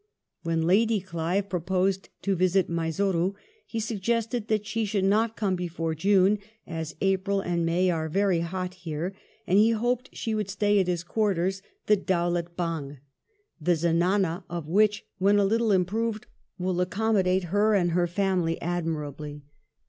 When Lady Clive proposed to visit Mysore, he suggested that she should not come before June, " as April and May are very hot here "; and he hoped she would stay at his quarters, the Dowlut Bang, "the zenana of which, when a little improved, will accommodate her and her family admirably.